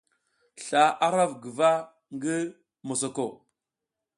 Sla ara huf guva ngi mosako.